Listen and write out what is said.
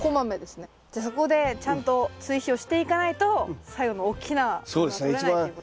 じゃそこでちゃんと追肥をしていかないと最後の大きなものはとれないということですね。